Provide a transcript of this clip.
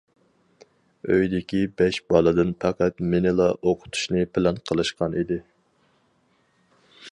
ئۆيدىكى بەش بالىدىن پەقەت مېنىلا ئوقۇتۇشنى پىلان قىلىشقان ئىدى.